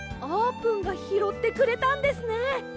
あーぷんがひろってくれたんですね！